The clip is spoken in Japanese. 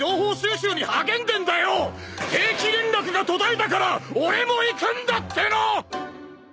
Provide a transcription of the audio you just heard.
定期連絡が途絶えたから俺も行くんだっての！！